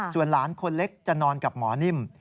ส่วนหลานคนเล็กจะนอนกับหมอนิ่ม